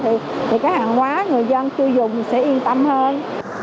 thì cái hàng quá người dân chưa dùng sẽ yên tâm hơn